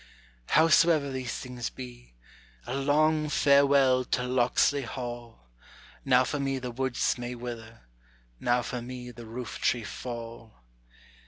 Howsoever these things be, a long farewell to Locksley Hall! Now for me the woods may wither, now for me the roof tree fall.